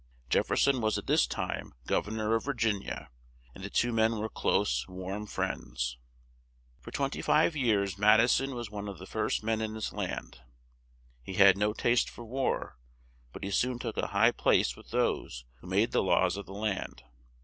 Jef fer son was at this time Gov ern or of Vir gin i a, and the two men were close, warm friends. For twen ty five years Mad i son was one of the first men in this land. He had no taste for war, but he soon took a high place with those who made the laws of the land.